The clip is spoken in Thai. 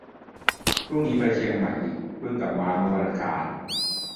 พรุ่งนี้ไปเชียงใหม่อีก เพิ่งกลับมาเมื่อวันอังคาร